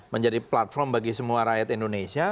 menjadi platform bagi semua rakyat indonesia